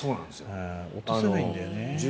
落とせないんだよね。